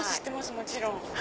もちろん。